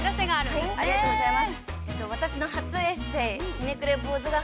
◆ありがとうございます。